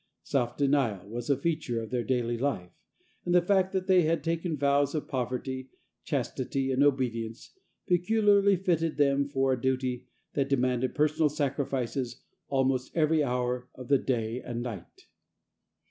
Self denial was a feature of their daily life, and the fact that they had taken vows of poverty, chastity and obedience peculiarly fitted them for a duty that demanded personal sacrifices almost every hour of the day and night.